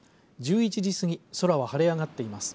１１時過ぎ空は晴れ上がっています。